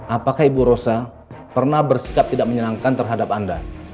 apakah ibu rosa pernah bersikap tidak menyenangkan terhadap anda